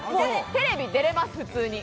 テレビ出れます、普通に。